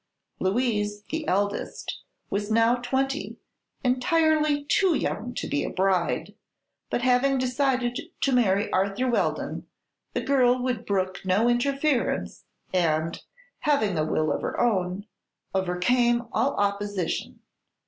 Louise, the eldest, was now twenty entirely too young to be a bride; but having decided to marry Arthur Weldon, the girl would brook no interference and, having a will of her own, overcame all opposition.